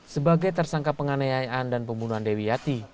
sebagai tersangka penganiayaan dan pembunuhan dewi yati